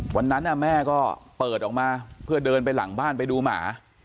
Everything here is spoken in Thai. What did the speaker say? วันนั้นแม่ก็เปิดออกมาเพื่อเดินไปหลังบ้านไปดูหมา